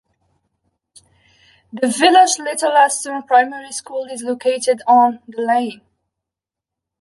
The village's Little Aston Primary School is located on the lane.